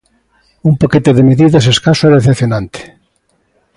Un paquete de medidas escaso e decepcionante.